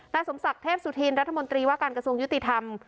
สมศักดิ์เทพสุธินรัฐมนตรีว่าการกระทรวงยุติธรรม